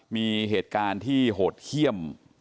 มีเหตุการณ์ที่โหดเยี่ยม